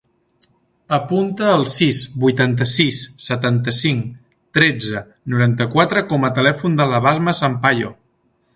Apunta el sis, vuitanta-sis, setanta-cinc, tretze, noranta-quatre com a telèfon de la Basma Sampayo.